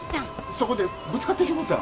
そこでぶつかってしもたん。